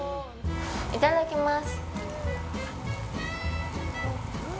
いただきます。